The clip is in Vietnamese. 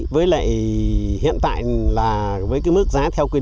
với lại hiện tại là với cái mức giá theo quyền